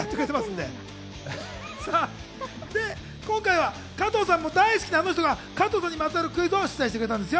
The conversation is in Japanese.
で、今回は加藤さんも大好きなあの人が加藤さんにまつわるクイズを出題してくれたんですよ。